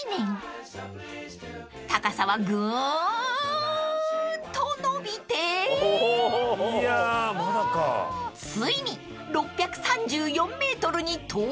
［高さはぐんと延びてついに６３４ｍに到達］